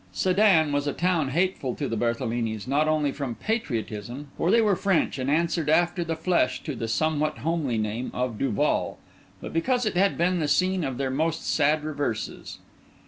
Sédan was a town hateful to the Berthelinis, not only from patriotism (for they were French, and answered after the flesh to the somewhat homely name of Duval), but because it had been the scene of their most sad reverses.